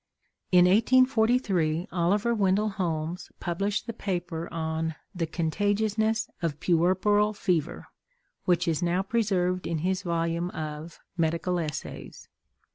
In 1843 Oliver Wendell Holmes published the paper on "The Contagiousness of Puerperal Fever," which is now preserved in his volume of "Medical Essays."